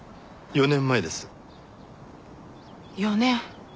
４年。